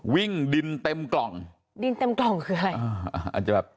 วิ่งดินเต็มกล่องดินเต็มกล่องคืออะไรอ่าอาจจะแบบ